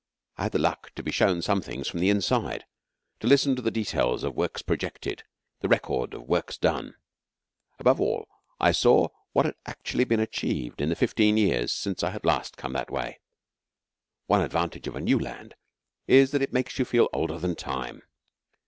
I had the luck to be shown some things from the inside to listen to the details of works projected; the record of works done. Above all, I saw what had actually been achieved in the fifteen years since I had last come that way. One advantage of a new land is that it makes you feel older than Time.